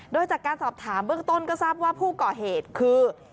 โดยจากการสอบถามเบื้องต้นก็ทราบว่าผู้ก่อเหตุคือ